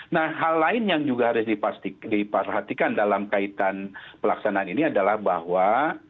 nah hal lain yang juga harus diperhatikan dalam kaitan pelaksanaan ini adalah bahwa